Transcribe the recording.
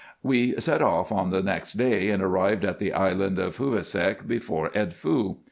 We set off on the next day, and arrived at the island of Hovasee before Edfu.